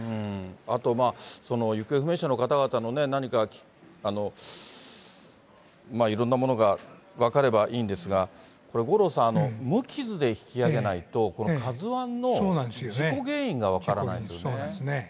あと、行方不明者の方々の何かいろんなものが分かればいいんですが、これ、五郎さん、無傷で引き揚げないと、このＫＡＺＵＩの事故原因が分からないんですよね。